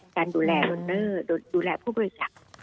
การดูแลโลหิตดูแลผู้บริจาค